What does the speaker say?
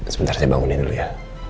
sebentar saya bangunin dulu ya